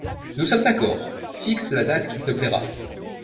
Nous sommes d’accord, fixe la date qui te plaira.